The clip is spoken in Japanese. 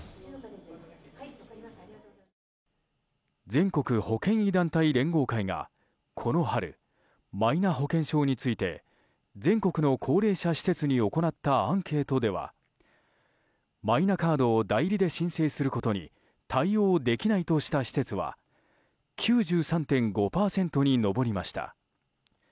全国保険医団体連合会がこの春、マイナ保険証について全国の高齢者施設に行ったアンケートではマイナカードを代理で申請することに対応できないとした施設は９３．５％に上りました。